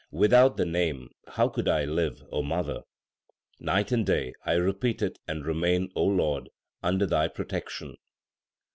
Without the Name how could I live, O mother ? Night and day 1 1 repeat it and remain, Lord, under Thy protection.